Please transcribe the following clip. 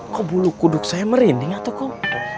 kok bulu kuduk saya merinding atau kok